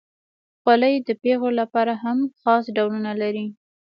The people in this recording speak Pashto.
خولۍ د پیغلو لپاره هم خاص ډولونه لري.